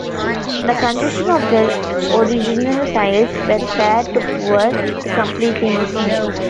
The condition of the original tiles were fair to poor to completely missing.